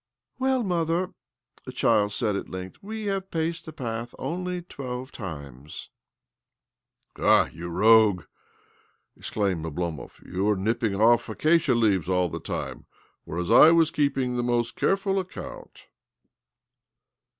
?! "Well, mother," the boy said at length, г " we have paced the path only twelve times." " Ah, you rogue !" exclaimed Oblomov. " You were nipping off acacia leaves all the time, whereas / was keeping the most careful account."